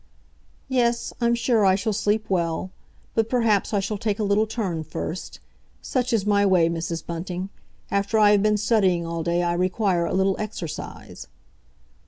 "Yes, I'm sure I shall sleep well. But perhaps I shall take a little turn first. Such is my way, Mrs. Bunting; after I have been studying all day I require a little exercise."